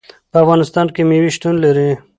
په افغانستان کې مېوې شتون لري.